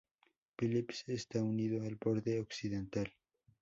Phillips está unido al borde occidental.